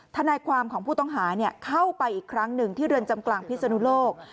ทนายความของผู้ต้องหาเข้าไปอีกครั้งหนึ่งที่เรือนจำกลางพิศนุโลก